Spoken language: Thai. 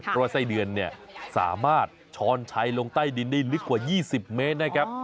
เพราะว่าไส้เดือนเนี่ยสามารถช้อนชัยลงใต้ดินได้ลึกกว่า๒๐เมตรนะครับ